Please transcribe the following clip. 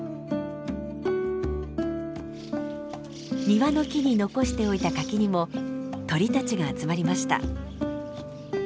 庭の木に残しておいた柿にも鳥たちが集まりました。